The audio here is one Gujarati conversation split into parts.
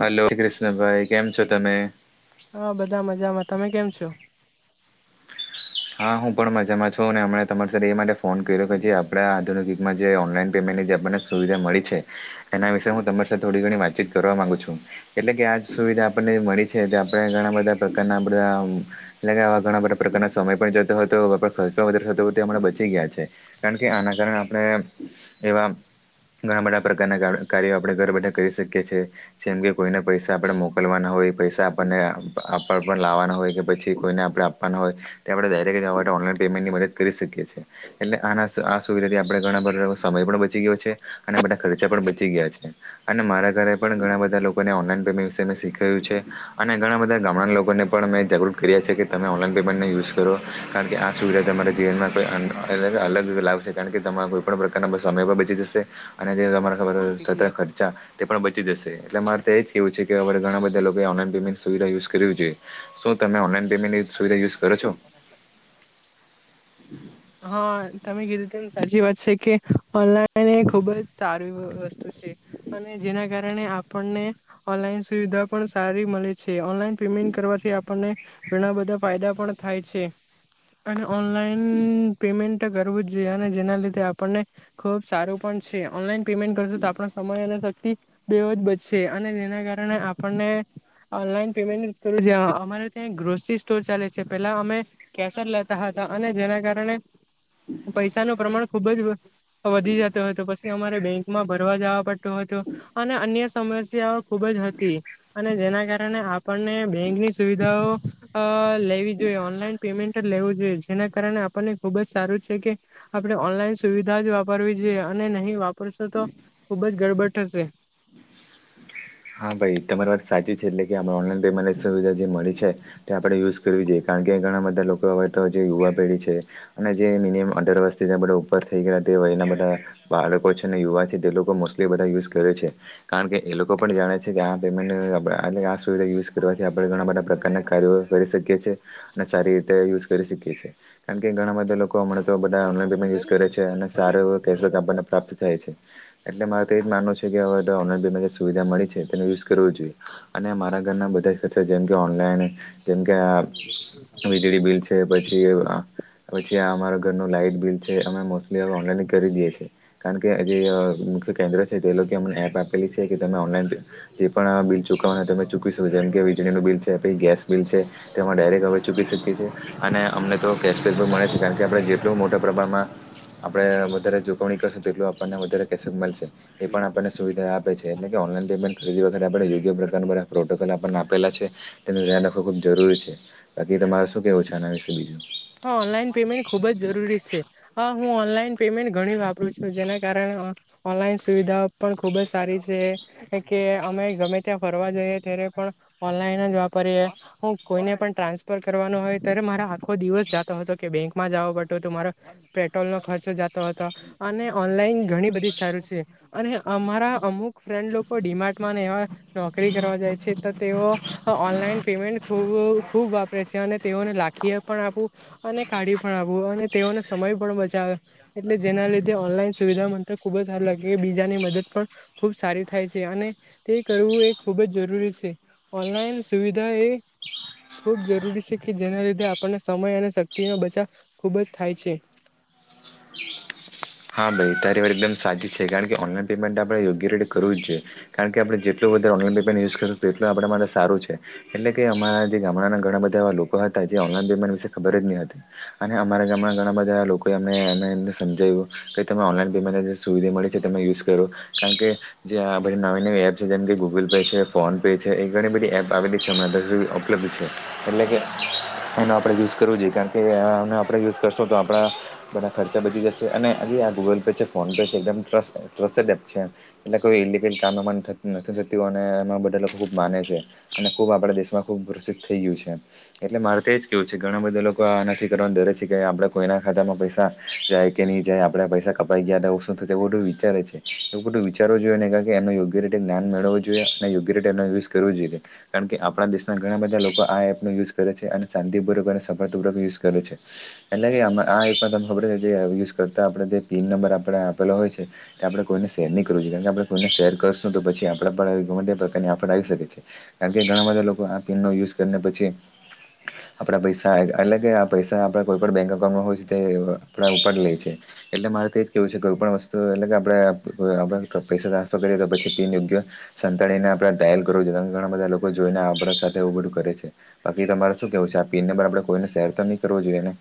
હલો, જે શ્રી કૃષ્ણ ભાઈ કેમ છો, તમે હા, બધા મજામાં તમે કેમ છો. હા, હું પણ મજામાં છુ. હમ્મ તમારી સાથે એ માટે ફોન કર્યો કે જે આપડા આધુિક યુગમાં જે ઓનલાઈન પેમેન્ટ આપણને સુવિધા મળી છે. એના વિશે હું તમારી સાથે, થોડી ઘણી વાતચીત કરવા માંગુ છું એટલે કે આ સુવિધા આપણને મળી છે. આપણે ઘણા બધા પ્રકારના બધા લગાવવા ઘણા બધા પ્રકારના સમય પણ જતો હોય તો ખર્ચ પણ વધારે થતો હોય, તે હમણાં બચી ગયા છે. કારણ કે આના કારણે આપણે જેવા ઘણા બધા પ્રકારના કાર્યો આપણે ઘરબેઠા કરી શકીએ છએ, જેમ કે કોઈને પૈસા આપણે મોકલવા ના હોય. હોય. પૈસા આપણને આપણ પણ લાવવાના હોય, કે પછી કોઈને આપણે આપવાના હોય તે આપણે ડાયરેક્ટ જવા માટે ઓનલાઈન પેમેન્ટની, મદદ કરી શકીએ છીએ એટલે આના, આ સુવિધાથી આપણે ઘણા બધા સમય પણ બચી ગયો છે, અને બધા ખર્ચા પણ બચી ગયા છે. અને મારા ઘરે પણ ઘણા બધા લોકો ઓનલાઈન પેમેન્ટ એના વિશે શીખ્યું છે, અને ઘણા બધા ગામડા લોકોને પણ અમે જરૂર કરી છે. કે તમે ઓનલાઈન પેમેન્ટને યુઝ કરો કારણ કે, આ સુવિધા તમારા જીવનમાં કોઈ અલગ લાવશે કારણ, કે તમા કોઈપણ પ્રકારના બસ પણ બચી, જશે અને ખબર ખર્ચા તે પણ બચી જશે એટલે મારે તો એ કેવું છે કે ઘણા બધા ઓનલાઈન પેમેન્ટ સુવિધા યુઝ કરવી જોઈ તમે ઓનલાઈન પેમેન્ટની સુવિધા, યુઝ કરો છો. હા, તમે કીધું તેમ સાચી વાત છે કે ઓનલાઈન એ ખૂબ જ સારી વસ્તુ છે. અને જેના કારણે આપણને ઓનલાઈન સુવિધા પણ સારી, મળે છે. ઓનલાઈન પેમેન્ટ કરવાથી આપણને ઘણા બધા ફાયદા પણ થાય છે, અને ઓનલાઈન પેમેન્ટ કરવો જ જોઈએ, અને જેના લીધે આપણને ખુબ સારું પણ છે. ઓનલાઈન પેમેન્ટ કરશે, તો આપણો સમય અને બેહો જ બચશે અને જેના કારણે આપણને ઓનલાઈન પેમેન્ટ જ કરવુ, અમારે ગ્રોસરી સ્ટોર ચાલે છે પેલા અમે કેસર લેતા હતા અને જેના કારણે પૈસા નું પ્રમાણ ખુબ જ વધી જતું હોય તો પછી અમારે બેંકમાં ભરવા જવા પડ તું હતું અને અન્ય સમસ્યાઓ ખુબ જ હતી અને જેના કારણે કારણે આપણને બેંકની સુવિધા લેવી જોઈએ ઓનલાઈન પેમેન્ટ લેવું જોઈએ જેના કારણે આપણને ખુબ જ સારું છે. કે આપણે ઓનલાઈન સુવિધા જ વાપરવી જોઈએ અને નહી વાપરવી પરસો તો ખુબ જ ગડબડ થશે. [inaudible] હા ભાઈ તમારી વાત સાચી છે એટલે કે આપણે ઓનલાઈન પેમેન્ટની સુવિધા જે મળી છે તે આપણે યુઝ કરવી જોઈએ. કારણ કે ઘણા બધા લોકો હવે તો જે યુવા પેઢી છે અને જે મિનિમમ અઢાર વર્ષથી આપ ઉપર થઈ ગયા તે એયના બધા બાળકો છે ને યુવા છે તે લોકો મોસ્ટલી બધા યુઝ કરે છે. કારણ કે એ લોકો પણ જાણે છે કે આ પેમેન્ટ આપણે આ સુવિધા યુઝ કરવાથી આપણે ઘણા બધા પ્રકારના કાર્યો કરી શકીએ છીએ, અને સારી રીતે યુઝ કરી શકીએ કારણ, કે ગણા બધા લોકો હમણા તો બધા ઓનલાઈન પેમેન્ટ યુઝ કરે છે. અને સારો એવો કેશબેક આપણને પ્રાપ્ત થાય છે, એટલે મારો તે જ માનો છે, હવે સુવિધા મળી છે, તેનો યુઝ કરવું જોઈએ અને મારા ઘરના બધા જ ખર્ચા જેમ કે ઓનલાઈન કેમકે આ વીજળી બિલ છે, પછી પછી આ અમારા ઘરનું લાાઈટ બિલ છે અમે મોસ્ટલી હવે ઓનલાઈન કરી દએ છીએ કારણ કે જે મુખ્ય કેન્દ્ર છે તે લોકો અમને એપ આપેલી છે કે તમે ઓનલાઈન જે બિલ ચૂકવવાના તમે ચૂકી શકો છ જેમ કે વીજળનું બિલ છે, પી ગેસ બિલ છે તેમાં ડાયરેક્ટ હવે ચૂકી શકીએશ અને અમને તો કેશબેક મળે છે કારણ કે આપ જે એટલું મોટા પ્રમાણમાં આપણે વધારે ચૂકવણી કરશું તેટલો આપણને વધારે કેસત મળશે. એ પણ [inaudible] આપણને [unintelligible] સુવિધા આપે છે એટલે ઓનલાઇન પેમેન્ટ ખરીદી વખતે વિવિધ પ્રકારના પ્રોટોકોલ આપેલા છે. ખબ જરૂરી છે બાકી તમારે શું કેવું છે આના આવે છે બીજું હા ઓનલાઈન પેમેન્ટ ખુબ જ જરૂરી છે, હ હું ઓનલાઈન પેમેન્ટ ઘણી વાપરું છું જેના કારણે ઓનલાઈન સુવિધા પણ ખુબ જ સારી છે કે અમે ગમે ત્યાં ફરવા જઈએ. વાપરી કોઈને પણ ટ્રાન્સફર કરવાનો હોય ત્યારે મારા આખો દિવસ જતો હતો કે બેંકમાં જવો પડતું, મારો પેટ્રોલ નો ખર્ચો જતો હતો અને ઓનલાઈન ઘણી બધી સારું છે અને અમારા અમુક ફ્રેન્ડ લોકો ડીમાર્ટમાંને એવા નોકરી કરવા જાય છે. તેઓ ઓનલાઈન પેમેન્ટ ખૂબ ખુબ વાપરે છે અને તેઓને લાખી પણ આપું. અને કાઢી પણ આપું અને તેઓનો સમય પણ બચાવે એટલે જેના લીધે ઓનલાઈન સુવિધા મંત ખૂબ જ સારું લાગે બીજાની મદદ પણ ખુબ સારી થાય છે અને તે કરવું એ ખુબ જ જરૂરી ઓનલાઈન સુવિધા એ ખુબ જરૂરી છે કે જેના લીધે આપણને સમય અને શક્તિ નો બચાવ ખૂબ જ થાય છે. હા ભાઈ ત્યારે વાર એકદમ સાચી છે કારણ કે ઓનલાઈન પેમેન્ટ આપણે યોગ્ય રીતે કરવું જ છેએ કારણ કે આપણે જેટલું વધારે ઓનલાઇન યુઝ કરું એટલું આપણા માટે સારું છે. એટલે કે અમારા જે ગામડાના ઘણા બધા એવા લોકો હતા જે ખબર જ ન હતી અને હણા ઘણા બધા લોકો એમને એને એમને સમજાવ્યું. કે તમે ઓનલાઈન પેમેન્ટને જે સુવિધા મળી છે તમે યુઝ કરો કારણ કે જે આ બધી નવી નવી એપ છે જેમ કે ગૂગલ ને, ફોન પે છે, એણી બધી એપ આવેલી છે ઉપલબ્ધ છે એટલે કે નો આપણે યુઝ કરવો જોઈએ કારણ કે આપણે યુઝ કરશો તો આપણા બધા ખર્ચા બચી જશે અને હજી આ ગૂગલ પે છે ફોન પે છે એકદમ ટ્રસ્ટડ એપ છે એટલે કોઈ ઇલિગલ કામ થતું નથી એ બધા લોકો ખૂબ માને છે અને ખૂબ આપણા દેશમાં ખબ પ્રસિદ્ધ થઈ ગયું છે એટલે મા કેવું છે ઘણા બધા લોકો આ નથી કરવા ડરે છે કે આપણે કોઈના ખાતામાં પૈસા જાય કે નહી જાય આપ પૈસા કપાઈ ગયા હતા, એવું બધું વિચારે છે એવું બધું વિચારો જોઈ ને એ યોગ્ય રીતે જઞાન મેળવ કરવો જોઈએ કારણ કે આપણા દેશના ઘણા બધા લોકો આ એપનો યુઝ કરે છે અને શાંતિપૂર્વક અને સફળતાપૂર્વક યુઝ કરે છે એટલે કે આ આપમાં તમ ખબર છે જે યુઝ કરો. આપણે જે પિન નંબર આપણે આપેલો હોય છે તે આપણે કોઈને શેર નહીં કરવો જોઈએ કારણ કે આપણે કોઈને શેર કરશું તો પછી આપણે. આપમે પ્રકારની આફડ આવી શકે છે કારણ કે ઘણા બધા લોકો આ પીનનો યુઝ કરને પછી આપડા પૈસા એટલે કે આ પૈસા આપડા કોઈ પણ બેંક એકાઉન્ટમાં હોય છે, તે આપણા ઉપાડી લે છે. એટલે મારે તોજ કેવું છે કોઈ પણ વસ્તુ એટલે કે આપણે પૈસા ટ્રાન્સફર કરીએ તો પછી પીન યોગ્ય સંતાળીને આપડે ડાયલ કરવો જોઈએ, જેના કારણે ઘણા બધા લોકો જોઈને આપણા સાથેવ બધું કરે છે, બાકી તમારે શું કેવું છે આ પિન નંબર આપણે કોઈને શેર તો નઇ. કરવો જોઈએ ને.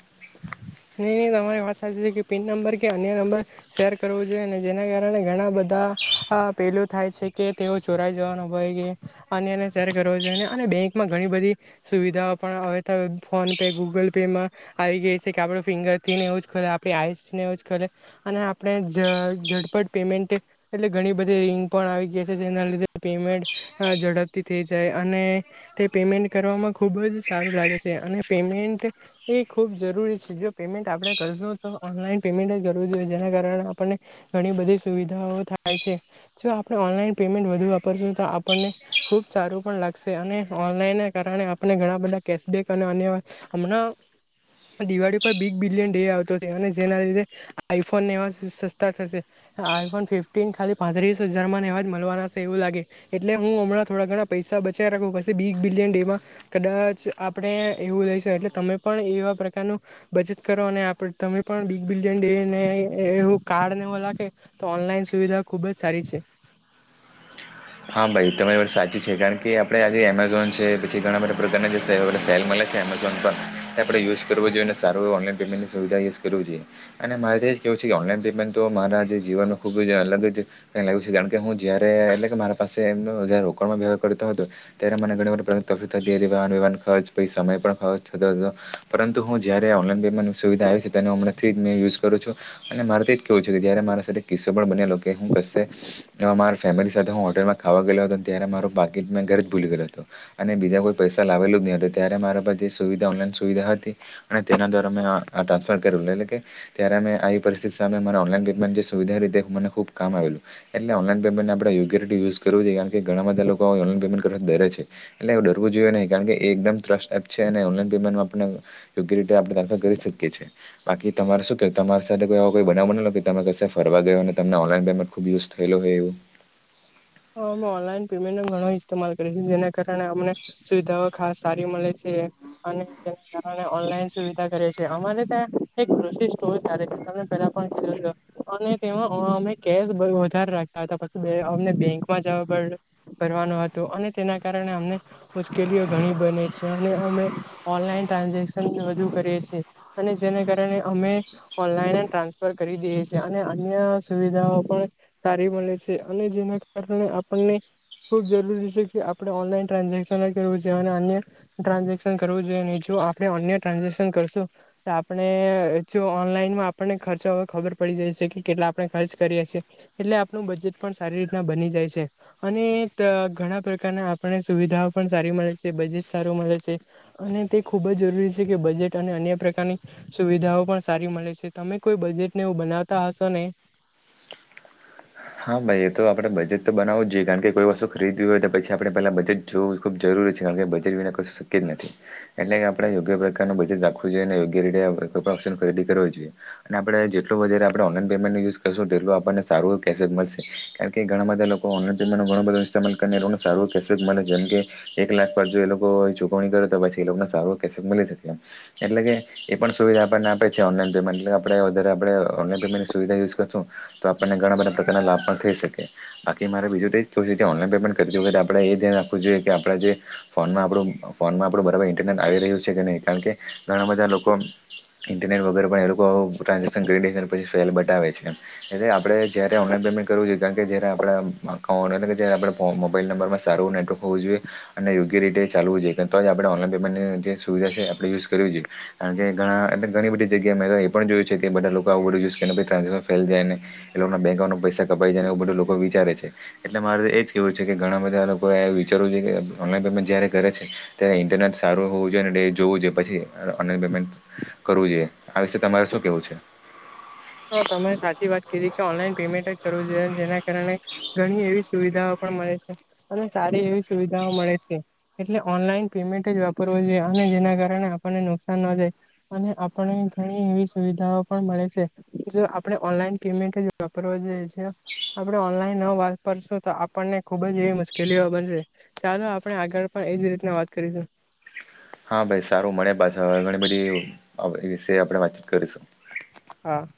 નહીં નહીં તમારી વાત પિન નંબર કે અન્ય નંબર શેર કરવો જોઈએ નઇ અને જેના કારણે ઘણા બધા પેલું થાય છે કે તેઓ ચોરાઈ જવાનો ભય રહે અને શેર કરવા જો અને બેંકમાં ઘણી બધી સુવિધાઓ પણ આવેતા ફોન પે, ગૂગલ પે માં આવી ગઈ છે કે આપણે ફિંગરથી ને એવું જ કરે, આપડી આઈસને એવું જ કરે અને આપણે. ઝટપટ પેમેન્ટ એટલે ઘણી બધી રીંગ પણ આવી ગયા છે જેના લીધે પેમેન્ટ ઝડપથી. જાય અને તે પેમેન્ટ કરવામાં ખુબ જ સારું લાગે છે અને પેમેન્ટ. એ ખુબ જરૂરી છે જો પેમેન્ટ આપણે કરજો તો ઓનલાઈન પેમેન્ટ જ જરૂરી હોય જેના કારણે આપણને ઘણી બધી સુવિધાઓ થાય છે, જો આપણે ઓનલાઈન પેમેન્ટ વધુ વાપરશું તો આપણને ખૂબ સારું પણ લાગશે અને ઓનલાઈનના કારણે આપણે ઘણા બધા કેશબેક અને અન્ય હમણાં [inaudible] દિવાળી પર બિગ બિલિયન ડે આવતો હતો અને જેના લીધે આઈફોન એવા સસ્તા થશે આઈફોન ફિફ્ટીન ખાલી પાંત્રીસ હજાર માં નવાજ મળવાનાશે એવું લાગે એટલે હું હમણાં થડા ઘણા પૈસા બચ રાખવું પડશે બિગ બિલિયન એમાં કદાચ આપણે એવું લઈશ એટલે તમે પણ એવા પ્રકારનું બચત કરો અને તમે પણ બિગ બિલિયન ડેને એવું કાર્ડ તો ઓનલાઈન સુવિધા ખુબ જ સારી છે [inaudible] હા ભાઈ તમારી સાચી છે કારણ કે આપડે આજે એમેઝોન છે પછી ઘણા બધા પ્રકારના જે સેલ મળે. એમેઝોન પર આપણે યુઝ કરવો જોઈએને સારું ઓનલાઈન પેમેન્ટની સુવિધા જ કરવી જોઈએ અનેરે એ જ કવું છે કે ઓનલાઈન પેમેન્ટ તો મારા જે જીવનમાં ખૂબ જ અલગ જ કારણ કે હું જયારે એટલે કે મા પાસે એમનો જ રોકાણમાં વહાર કરતો હતો ત્યારે મને ઘણીવાર પ્ર થતી હતી વાહન વહન ખર્ચ પછી સમય પણ ખર્ચ થતો હતો પરંતુ હું જયારે ઓનલાઈન પેમેન્ટ. સુવિધા આવી છે તેનો હમણાંથી જ મેં યુઝ કરું છું અને મારેથી. કેવું છે કે જ્યારે મારા સાથે કિસ્સો પણ બનેલો કે હું કશે મારા ફેમિલી સાથે હું હોટલમાં. ખાવા ગયે હતો ત્યારે મારો પાકેટ મેં ઘરે જ ભૂલી ગેયો હતો અને બીજા કોઈ પૈસા લાવેલો જ નહી હતો ત્યારે મારા વિધા ઓનલાન સુવિધા હતી અને તેના દ્વારા મે ટ્રાન્સફર કર એટલે કે ત્યારે અમે આવી પરિસ્થિતિ સામે મારે ઓનલાઇન પેમેન્ટ સુવીધા રીતે મને ખુબ કામ આવેલું એટલે ઓનલાઇન પેમેન્ટ આપડે યોગ્ય રીતે યુસ કરવું જોઈએણ કે ઘણા બધા લોકો ઓનલાન પેમેન્ટ કરવા ડરે છે એટલે ડરવું જોઈએ નહી કારણ કે એ એકદમ ટ્રસ્ટ એપ છે. લા પેમેન્ટ આપયોગ્ય રીતે આપણે્રાન્સફર કરી શકીએ છીએ. બાકી તમારે શું કે તમારી સાથે કોઈવા કોઈ બનાવ બનેલો કે તમે કશે ફર ગયો અને તમને ઓનલાનેમમેન્ટ ખુઝ થયેું છે બેવું. હા અમે ઓનલાઈન પેમેન્ટ નો ઘણો ઇતેમાલ કરીશું જેના કારણે અમને સુવિધાઓ ખાસ સારી મળે છે. ઓનલા સુવિધા કરે છે અમારે ત્યાં એકિ [unintelligible] પેલા અને તેમાં અમે કે વધારે રાખતા હતા પછી અ બેક મજા બ કરવાનું હતું અને તેના કારણે અમને મુશ્કેલીઓ ઘણી બને છે અને અમે ઓનલાઈન. ટ્રાન્ઝેક્શન વધુ કરી અને જેને કારણે અમે ઓનલાઈન ટ્રાન્સફર કરી દઈએએ. અને અન્ય સુવિધાઓ પણ સારી મળે છે અને જેના કારણે આપણને ખુબ જરૂરી છે કે આપણે ઓનલાઈન ટ્રાન્ઝેક્શન કરવું જોઈએ અને અન્ય ટ્રાન્ઝેક્શન કરવું જોઈએ નીચું. આપણે અન્ય ટ્રાન્ઝેક્શન કરશું તો આપણે જો ઓનલાઈનમાં આપણને ખર્ચા હો ખબર પડી. દે છે કેટલા આપણે ખર્ચ કરીએ છીએ એટલે આપણું બજેટ પણ સારી રીતે બની જાય છે અને ઘણા પ્રકારના આપને સુવિધાઓ પણ સારી મળે છે બજેટ સારું મળે છે અને તે ખૂબ જ જરૂરી છે કે બજેટ અને અન્ય પ્રકારની સુવિધાઓ પણ સારી મળે તમે કોઈ બજેટ ને એવું બનાવતા હશો ને [inaudible] હા ભાઈ એ તો આપણે બજેટ તો બનાવું જોઈએ કારણ કે કોઈ વસ્તુ ખરીવી હોય તો પછી આપણે પેલા બજેટ જોવું ખૂબ જરૂરી કારણ કે બેટના શક્ય જ નથી એટલે કે આપણે યોગ્ય પ્રકારનું બજેટ રાખવું જોઈએ અને યોગ્ય રીતે ખરી જોએ આપણે જેટ આપણે ઓલાન પેમેન્ટ યુઝશુંટ આપને સારું કેશબેક મળશે કારણ કે ઘણા બધા લોકો ઓનલાઈન ટીમનો ઘણું બધો ઇસ્તેમાલ કરીને એ લોકોને સારું ક કેશબેક મળે છે જેમ કે એક લાખ પર જો એ લોકો ચૂકવણી કરે તો પછી એ લોકોને સારો કે મળી શકે એમ એટલે કે એ પણ સુવિધા આપણને આપે છે ઓનલાઈન પેમેન્ટ એટલે આપણે વધારે આપણે ઓનઈન પેમમેન્ટની સુવધા યુઝ કરશું તો આપણને ઘણા બધા કાર લાભ પણ થઈ શકે બાકી મારે બીજું તો જ ઓનલાન પેમેન્ટ કરું આપણે એ ધ્યાન રાખવું જોઈએ કે આપણે જે ફોનમાં આપણું ફોનમાં આપણું બરાબર ઇન્ટરનેટ આવી રહ્યું છે કે નહીં કારણ કે ઘણા બધા લોકો ઇન્ટરનેટ વગેર પણ એ લોકો ટ્રાન્ઝેશન પછી ફેલ બતા છે એટલે આપડ જયારે ઓનલાઈન પેમેન્ટ કરવ જોઈએ કારણ કે જયારે આપડા અ આપણે મોબાઈલ નંબરમાં સારું ટર્ક હોવું જોઈએ અને યોગ્ય રીતે ચાલવું જોઈએ કે જ આપણે ઓનલાઈન પેમેન્ટની જે સુવિધા છે આપણે યુઝ કરવી જોઈએણ કે ઘણા એટલે ઘણી બધી જગ્યાએ મે તો એ પણ જોય છે કે બધા લોકો આવુંડ યુઝ કરને ભાઈ્રાન્ઝેક્શન ફેલ જાયને એ લોકોના બેં પૈસા કપાઈાયને એવું બધું લોકો વિચારે છે એટલે મારે તો એજ કેવું છે કે ઘણા બધા લોકો એ વિ કરવુ જોઈએ ઓનલાઇન પેમેન્ટ જય્યારે કરે છે ત્યારે ઇન્ટરનેટ સારું હોવુ જોઈએ અને જોવુંઈએ પછી ઓનલાઇન પેમેન્ટ કરવુ જોઈએ આ વિશે તમારે શું કેવું છે. હ તમે સાચી વાત કીધી કે ઓનલાઈન પેમેન્ટ જ કરવું જોઈએ, જેના કારણે ઘણી એવી. સુવિધાઓ પણ મળે છે, અને સારી એવી સુવિધાઓ મળે છે, એટલે ઓનલાઈન પેમેન્ટ જ વાપરવું. જેના કારણે આપણને નુકસાન ન જાય, અને આપને ઘણી એવી સુવિધાઓ પણ મળે છે. જો આપણે ઓનલાઈન પેમેન્ટ જ વાપરવા જેઈએ છે, આપણે ઓનલાઈન ન વાપરશું તો આપણને ખુબ જ એવી મુશ્કેલીઓ બનશે ચાલો આપણે આગળ પણ એજ રીતે વાત કરીશું. હ [inaudible] હા ભાઈ સારું મને ઘણી બધી વિશે આપણે વાતચીત કરીશું. હા [inaudible]